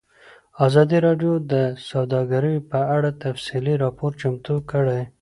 ازادي راډیو د سوداګري په اړه تفصیلي راپور چمتو کړی.